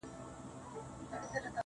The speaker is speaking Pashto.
• قاتل ژوندی دی، مړ یې وجدان دی.